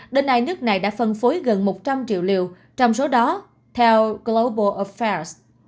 đến nay nước này đã phân phối gần một trăm linh triệu liều trong số đó theo global offast